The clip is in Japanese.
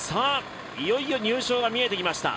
いよいよ入賞が見えてきました。